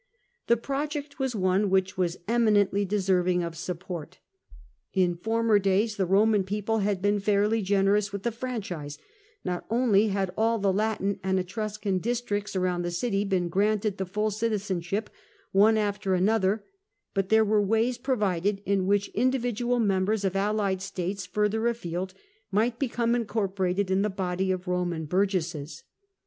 The project was one which was eminently deserving of support. In former days the Eoman people had been fairly generous with the franchise ; not only had all the Latin and Etruscan districts around the city been granted the full citizenship one after another, but there were ways provided in which individual members of allied states further afield might become incorporated in the body of Eoman burgesses.